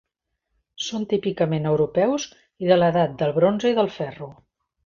Són típicament europeus i de l'edat del bronze i del ferro.